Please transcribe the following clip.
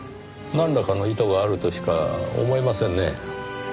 なんらかの意図があるとしか思えませんね。